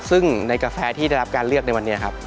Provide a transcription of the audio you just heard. ซึ่งในกาแฟที่ได้รับการเลือกในวันนี้ครับ